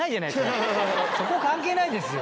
そこ関係ないですよ。